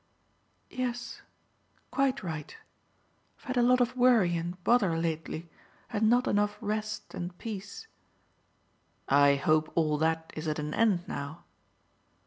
"Yes. Quite right. I've had a lot of worry and bother lately, and not enough rest and peace." "I hope all that is at an end now?"